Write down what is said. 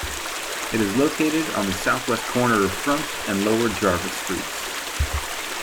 It is located on the southwest corner of Front and Lower Jarvis Streets.